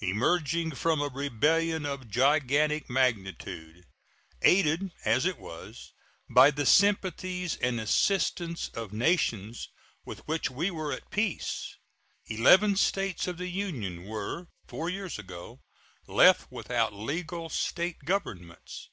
Emerging from a rebellion of gigantic magnitude, aided, as it was, by the sympathies and assistance of nations with which we were at peace, eleven States of the Union were, four years ago, left without legal State governments.